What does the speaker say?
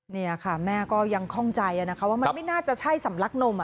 นี่ค่ะแม่ก็ยังคล่องใจนะคะว่ามันไม่น่าจะใช่สำลักนม